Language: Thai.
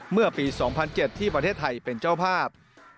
เมื่อปี๒๐๐๗ที่ประเทศไทยเป็นเจ้าภาพ